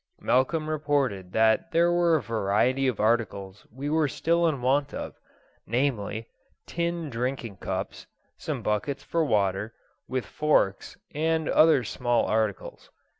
Malcolm reported that there were a variety of articles we were still in want of; namely, tin drinking cups, some buckets for water, with forks, and other small articles.